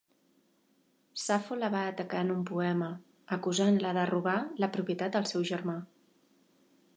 Safo la va atacar en un poema, acusant-la de robar la propietat al seu germà.